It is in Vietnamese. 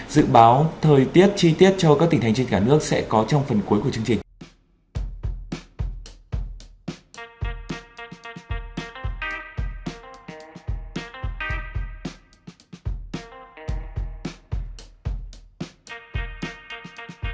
dự báo thời tiết chi tiết cho các tỉnh thành trên cả nước sẽ có trong phần cuối của chương trình